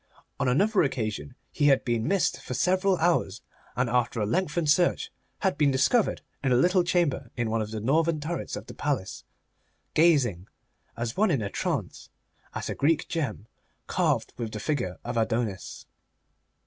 On another occasion he had been missed for several hours, and after a lengthened search had been discovered in a little chamber in one of the northern turrets of the palace gazing, as one in a trance, at a Greek gem carved with the figure of Adonis.